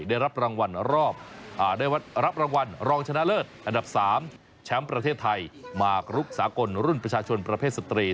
ได้รับรางวัลรองชนะเลิศอันดับ๓แชมป์ประเทศไทยมากรุกสากลรุ่นประชาชนประเภทสตรี